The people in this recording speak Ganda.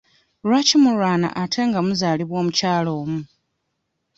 Lwaki mulwana ate nga muzaalibwa omukyala omu?